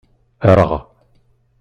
Erɣ.